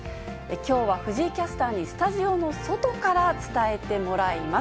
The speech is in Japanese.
きょうは藤井キャスターにスタジオの外から伝えてもらいます。